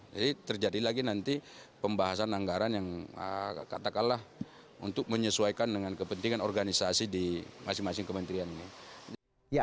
jadi terjadi lagi nanti pembahasan anggaran yang katakanlah untuk menyesuaikan dengan kepentingan organisasi di masing masing kementerian ini